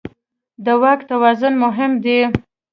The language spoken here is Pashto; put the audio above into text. د واک توازن مهم دی.